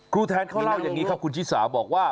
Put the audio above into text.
ครูแทนเขาเล่าอย่างนี้ครับคุณชิสาบอกว่า